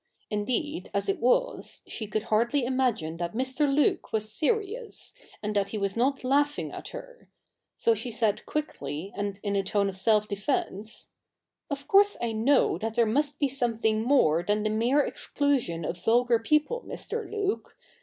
Indeed, as it was, she could hardly imagine that Mr. Luke was serious, and that he was not laughing at her ; so she said quickly and in a tone of self defence, ' Of course I know that there must be something more than the mere exclusion of vulgar people, Mr. Luke.